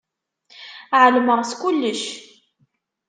Ɛelmeɣ s kullec.